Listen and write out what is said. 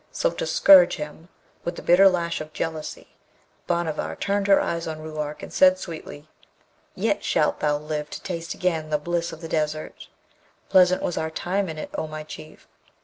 So to scourge him with the bitter lash of jealousy, Bhanavar turned her eyes on Ruark, and said sweetly, 'Yet shalt thou live to taste again the bliss of the Desert. Pleasant was our time in it, O my Chief!'